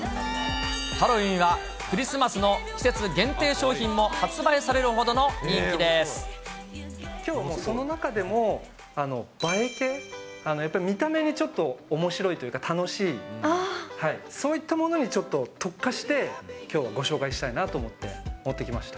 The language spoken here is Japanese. ハロウィーンやクリスマスの季節限定商品も発売されるほどのきょうはその中でも、映え系、やっぱり見た目にちょっとおもしろいというか、楽しい、そういったものにちょっと特化して、きょうはご紹介したいなと思って、持ってきました。